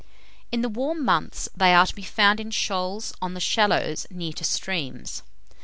In the warm months they are to be found in shoals on the shallows near to streams.